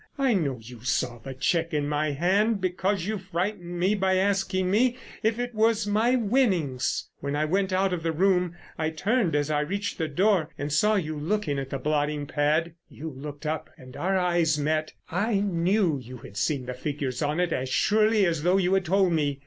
I know you saw the cheque in my hand because you frightened me by asking me if it was my winnings. When I went out of the room I turned as I reached the door and saw you looking at the blotting pad. You looked up and our eyes met. I knew you had seen the figures on it as surely as though you had told me.